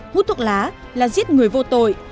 hút thuốc lá là giết người vô tội